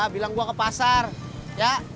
bilang gua ke pasar ya